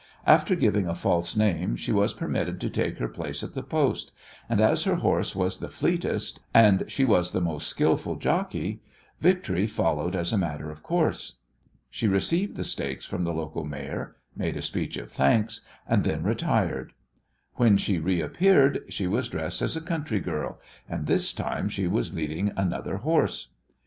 After giving a false name she was permitted to take her place at the post, and as her horse was the fleetest, and she was the most skilful jockey, victory followed as a matter of course. She received the stakes from the local mayor, made a speech of thanks, and then retired. When she reappeared she was dressed as a country girl, and this time she was leading another horse.